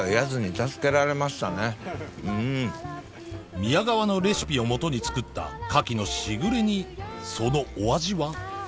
宮川のレシピをもとに作ったカキのしぐれ煮そのお味は？